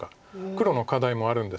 黒の課題もあるんですけど。